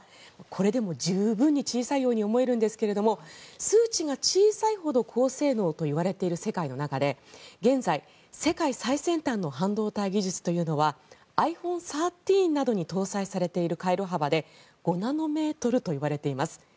これでもう十分に小さいように思えるんですけど数値が小さいほど高性能といわれている世界の中で現在、世界最先端の半導体技術というのはｉＰｈｏｎｅ１３などに搭載されている回路幅で５ナノメートルといわれています。